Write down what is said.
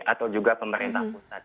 atau juga pemerintah pusat